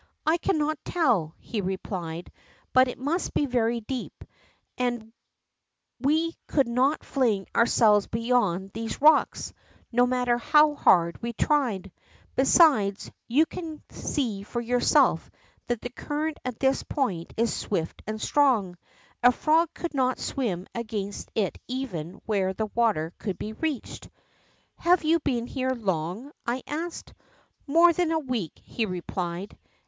' I cannot tell,' he replied, ^ but it must be very deep, and we could not fling ourselves beyond these rocks, no matter how hard we tried; besides, you can see for yourself that the current at this point is swift and strong : a frog could not swim against it even where the water could be reached.' "^ Have you been here long ?' I asked. ' More than a week,' he replied.